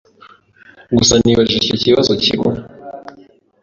Gusa nibajije icyo kibazo kimwe.